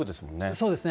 そうですね。